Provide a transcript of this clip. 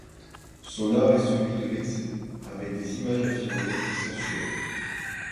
Son art est celui de l’excès, avec des images affirmées et sensuelles.